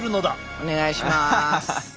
お願いします。